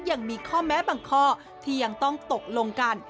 ยังมีข้อแม้บางข้อที่ยังต้องตกลงกัน